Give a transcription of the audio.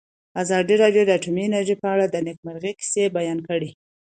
ازادي راډیو د اټومي انرژي په اړه د نېکمرغۍ کیسې بیان کړې.